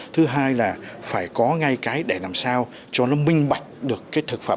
thứ hai là phải có ngay cái để làm sao cho nó minh bạch được cái thực phẩm